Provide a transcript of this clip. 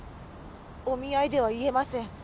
お見合いでは言えません。